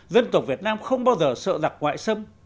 dân tộc việt nam không bao giờ sợ giặc ngoại xâm